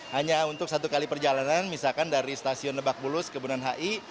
hanya untuk satu kali perjalanan misalkan dari stasiun nebakbulus ke bunan hi